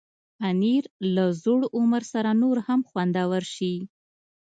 پنېر له زوړ عمر سره نور هم خوندور شي.